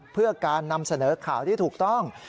เพื่อการนำเสนอข่าวที่ถูกต้อง